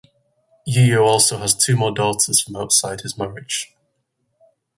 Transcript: Yeo also has two more daughters from outside his marriage.